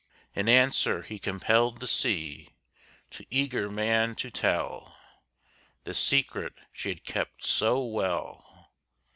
In answer he compelled the sea To eager man to tell The secret she had kept so well!